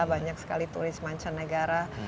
banyak sekali turis mancanegara